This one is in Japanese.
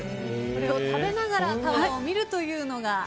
これを食べながらタワーを見るというのが。